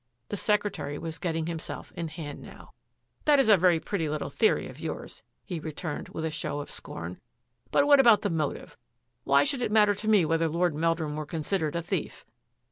The secretary was getting himself in hand now, " That is a very pretty little theory of yours, he returned with a show of scorn, " but what about the motive.? Why should it matter to me whether Lord Meldrum were considered a thief?